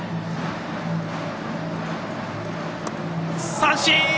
三振！